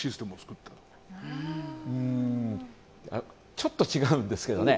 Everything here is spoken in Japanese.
ちょっと違うんですけどね。